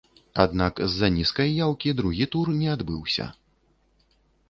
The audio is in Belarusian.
Аднак з-за нізкай яўкі другі тур не адбыўся.